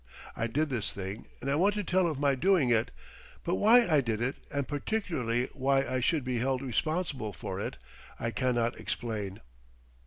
I did this thing and I want to tell of my doing it, but why I did it and particularly why I should be held responsible for it I cannot explain.